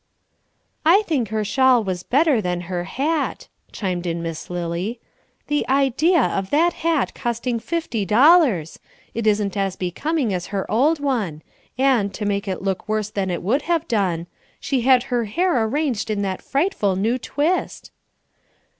"I think her shawl was better than her hat," chimed in Miss Lily. "The idea of that hat costing fifty dollars! It isn't as becoming as her old one; and, to make it look worse than it would have done, she had her hair arranged in that frightful new twist!"